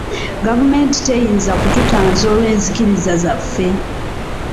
Gavumenti teyinza kututanza olw'enzikiriza zaffe.